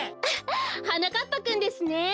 フッはなかっぱくんですね。